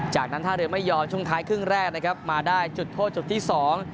จากนั้นท่าเรือไม่ยอมช่วงท้ายครึ่งแรกนะครับมาได้จุดโทษจุดที่สอง